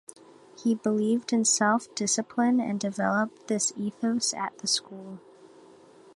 He believed in self-discipline and developed this ethos at the school.